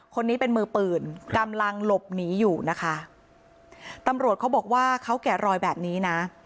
คนนี้เป็นมือปืนกำลังหลบหนีอยู่นะคะตำรวจเขาบอกว่าเขาแกะรอยแบบนี้นะ